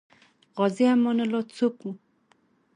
غازي امان الله څوک وو؟